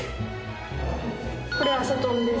これアセトンです。